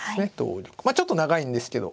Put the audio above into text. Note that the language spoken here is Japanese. まあちょっと長いんですけど。